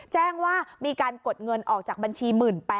แจ้งว่ามีการกดเงินออกจากบัญชี๑๘๐๐